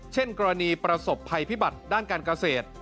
เช่นกรณีประสบภัยพิบัติด้านการเกษตร